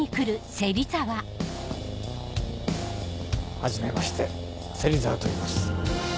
はじめまして芹沢といいます。